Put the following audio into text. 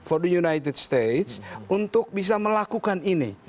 untuk amerika serikat untuk bisa melakukan ini